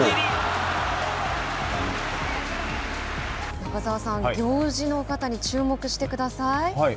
中澤さん、行司の方に注目してください。